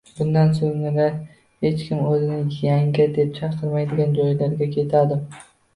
Bundan so`ngra hech kim o`zini yanga deb chaqirmaydigan joylarga ketadi